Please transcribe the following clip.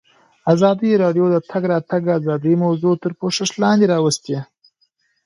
ازادي راډیو د د تګ راتګ ازادي موضوع تر پوښښ لاندې راوستې.